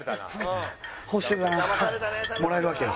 報酬がもらえるわけよ。